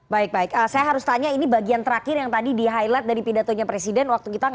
baik baik saya harus tanya ini bagian terakhir yang tadi di highlight dari pidatonya presiden waktu kita